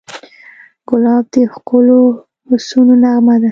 ګلاب د ښکلو حسونو نغمه ده.